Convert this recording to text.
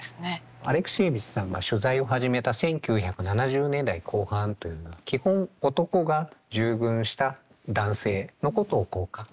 アレクシエーヴィチさんが取材を始めた１９７０年代後半というのは基本男が従軍した男性のことを書くというのが一般的でした。